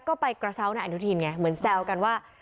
สมบัติการพลังมีชาติรักษ์ได้หรือเปล่า